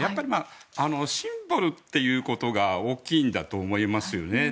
シンボルということが大きいんだと思いますよね。